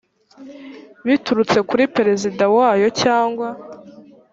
biturutse kuri perezida wayo cyangwa